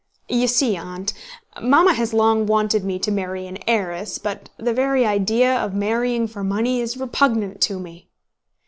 "You see, Aunt, Mamma has long wanted me to marry an heiress, but the very idea of marrying for money is repugnant to me."